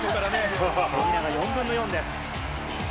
富永、４分の４です。